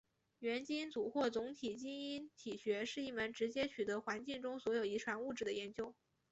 元基因组或总体基因体学是一门直接取得环境中所有遗传物质的研究。